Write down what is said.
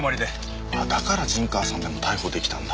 だから陣川さんでも逮捕出来たんだ。